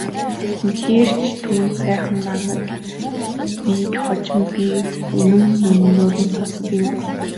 Үнэхээр ч түүнд сайхан намтар бийг хожим би үнэн мөнөөр нь сонссон юм.